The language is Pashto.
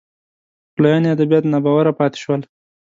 پخلاینې ادبیات ناباوره پاتې شول